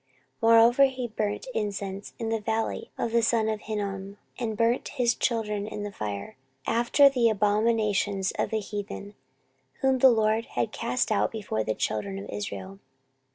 14:028:003 Moreover he burnt incense in the valley of the son of Hinnom, and burnt his children in the fire, after the abominations of the heathen whom the LORD had cast out before the children of Israel.